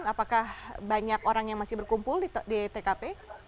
apakah banyak orang yang masih berkumpul di tkp